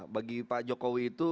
bagi pak jokowi itu